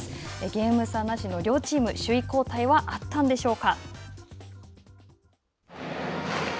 ゲーム差なしの両チーム、首位交代はあったんでしょうか。